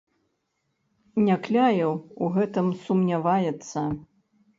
Някляеў у гэтым сумняваецца.